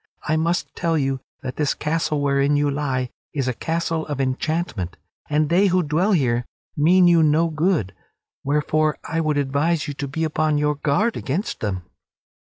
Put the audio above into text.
I must tell you that this castle wherein you lie is a castle of enchantment, and they who dwell here mean you no good; wherefore I would advise you to be upon your guard against them."